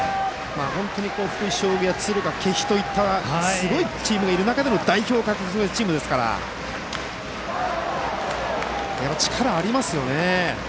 本当に福井商業や敦賀気比というすごいチームがいる中での代表なので力がありますよね。